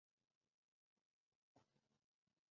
颁奖礼有另设最佳女主角及最佳动作片女主角。